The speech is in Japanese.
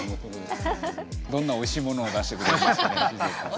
どんなおいしいものを出してくれるんですかね。